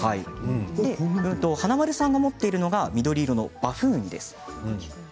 華丸さんが持っているのが緑色のバフンウニです。